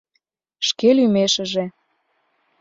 Шке лӱмешыже.